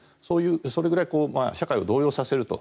それぐらい社会を動揺させると。